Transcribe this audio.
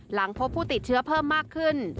หลังพบผู้ติดเชื้อเพิ่มมากขึ้น